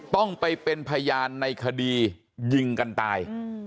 ต้องไปเป็นพยานในคดียิงกันตาย